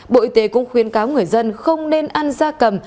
bộ y tế cũng khuyên cáo người dân không nên ăn da cầm